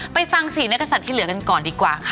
ไปฟัง๔นักศัตริย์ที่เหลือกันก่อนดีกว่าค่ะ